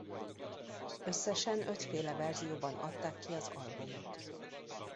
Összesen ötféle verzióban adták ki az albumot.